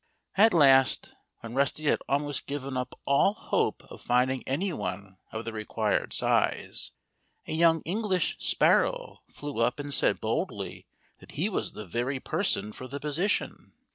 At last when Rusty had almost given up all hope of finding anyone of the required size, a young English sparrow flew up and said boldly that he was the very person for the position.